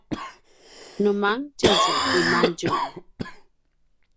nu mangetjez tiamadju